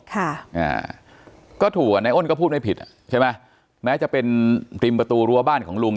ค่ะอ่าก็ถูกอ่ะในอ้นก็พูดไม่ผิดอ่ะใช่ไหมแม้จะเป็นริมประตูรั้วบ้านของลุง